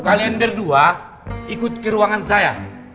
kalian berdua ikut ke ruangan saya